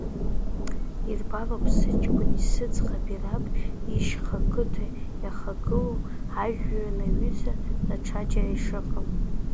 Ирбароуп сыҷкәыни сыӡӷаби раб ишьха қыҭа иахагылоу ажәҩан аҩыза даҽаџьара ишыҟам.